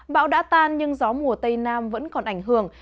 bão đã tan nhưng gió mùa tây nam vẫn còn ảnh hưởng